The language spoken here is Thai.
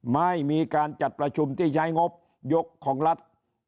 ไม่มีการจัดประชุมที่ใช้งบยกของรัฐ